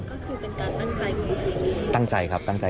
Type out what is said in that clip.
ก็คือเป็นการตั้งใจกับสิ่งนี้